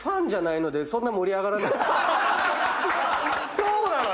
そうなのよ！